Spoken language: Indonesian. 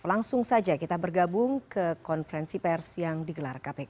langsung saja kita bergabung ke konferensi pers yang digelar kpk